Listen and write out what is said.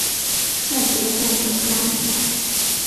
率直地变得更加明亮！